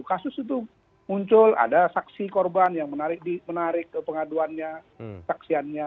kasus itu muncul ada saksi korban yang menarik pengaduannya saksiannya